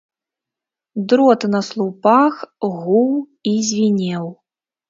Дрот на слупах гуў і звінеў.